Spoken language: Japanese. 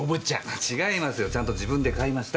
違いますよちゃんと自分で買いました。